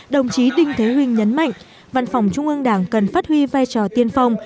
đồng chí đinh thế huỳnh nhấn mạnh văn phòng trung ương đảng cần phát huy vai trò tiên phong